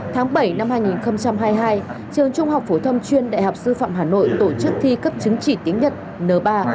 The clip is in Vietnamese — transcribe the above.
tháng bảy năm hai nghìn hai mươi hai trường trung học phổ thông chuyên đại học sư phạm hà nội tổ chức thi cấp chứng chỉ tiếng nhật n ba